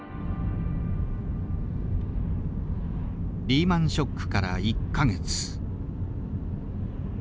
リーマンショックから１か月。